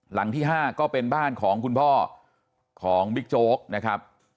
หลังที่๕ก็เป็นบ้านของคุณพ่อของบิ๊กโจ๊กนะครับ